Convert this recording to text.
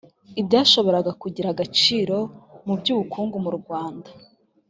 ibyashoboraga kugira agaciro mu by ubukungu mu rwanda